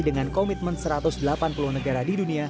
dengan komitmen satu ratus delapan puluh negara di dunia